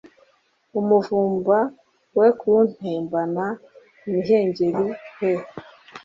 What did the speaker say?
Umuvumba we kuntembana Imihengeri he